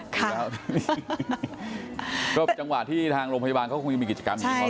ก็จังหวะที่ทางโรงพยาบาลเขาคงจะมีกิจกรรมอย่างนี้